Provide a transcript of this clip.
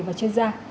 và chuyên gia